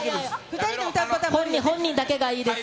本人だけがいいです。